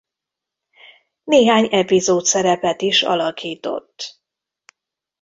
Néhány epizódszerepet is alakított.